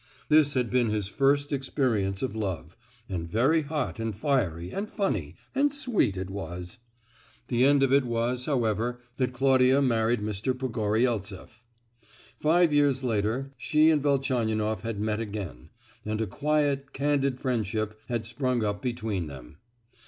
This had been his first experience of love—and very hot and fiery and funny—and sweet it was! The end of it was, however, that Claudia married Mr Pogoryeltseff. Five years later she and Velchaninoff had met again, and a quiet candid friendship had sprung up between them.